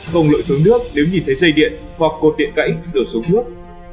không lội xuống nước nếu nhìn thấy dây điện hoặc cột điện cãy đổ xuống nước